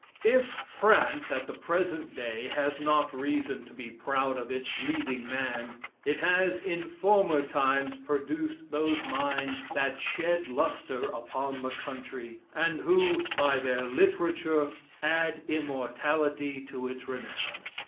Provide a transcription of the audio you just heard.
If France, at the present day, has not reason to be proud of its "leading man," it has in former times produced those minds that shed lustre upon the country, and who, by their literature, add immortality to its renown.